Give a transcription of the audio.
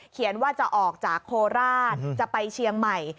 ว่าจะออกจากโคราชจะไปเชียงใหม่